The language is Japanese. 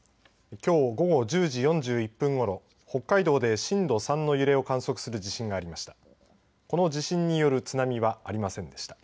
きょう午後１０時４１分ごろ北海道で震度３の揺れを観測する地震がありました。